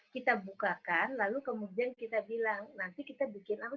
kita bukakan lalu kemudian kita bilang nanti kita bikin apa